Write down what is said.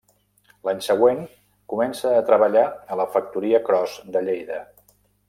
L'any següent comença a treballar a la factoria Cros de Lleida.